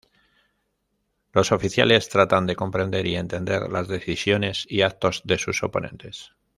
Los oficiales tratan de comprender y entender las decisiones y actos de sus oponentes.